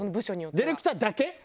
ディレクターだけ？